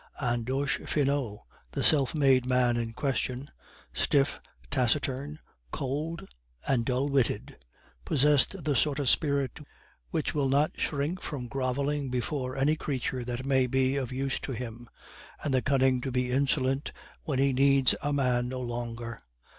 Andoche Finot, the self made man in question, stiff, taciturn, cold, and dull witted, possessed the sort of spirit which will not shrink from groveling before any creature that may be of use to him, and the cunning to be insolent when he needs a man no longer.